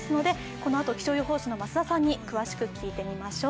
このあと、気象予報士の増田さんに詳しく聞いてみましょう。